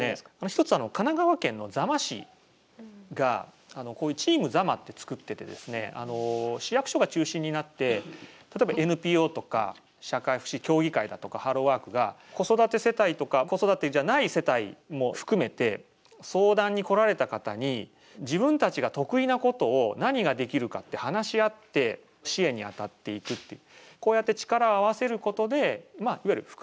１つ、神奈川県の座間市がこういうチーム座間って作ってて市役所が中心になって例えば、ＮＰＯとか社会福祉協議会だとかハローワークが、子育て世帯とか子育てじゃない世帯も含めて相談に来られた方に自分たちが得意なことを何ができるかって話し合って支援に当たっていくっていう。